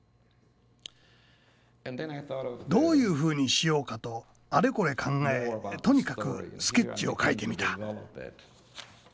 どういうふうにしようかとあれこれ考えとにかくスケッチを描いてみた。